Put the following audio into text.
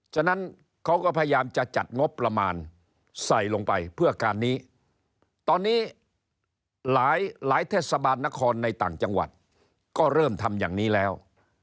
ฉะนั้นเขาก็พยายามจะจัดงบประมาณใส่ลงไปเพื่อการนี้ตอนนี้หลายเทศบาลนครในต่างจังหวัดก็เริ่มทำอย่างนี้แล้ว